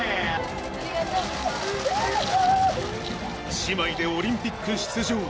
姉妹でオリンピック出場。